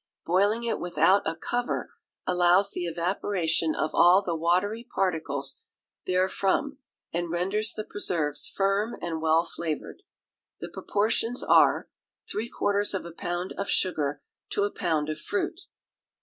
Boiling it without a cover allows the evaporation of all the watery particles therefrom, and renders the preserves firm and well flavoured. The proportions are, three quarters of a pound of sugar to a pound of fruit.